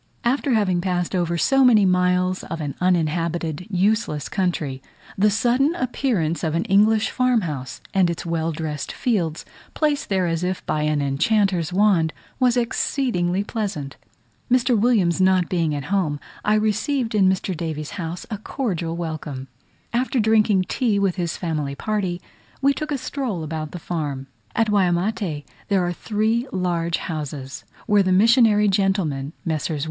After having passed over so many miles of an uninhabited useless country, the sudden appearance of an English farm house, and its well dressed fields, placed there as if by an enchanter's wand, was exceedingly pleasant. Mr. Williams not being at home, I received in Mr. Davies's house a cordial welcome. After drinking tea with his family party, we took a stroll about the farm. At Waimate there are three large houses, where the missionary gentlemen, Messrs.